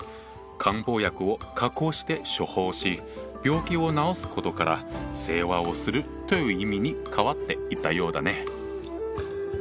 漢方薬を加工して処方し病気を治すことから世話をするという意味に変わっていったようだね。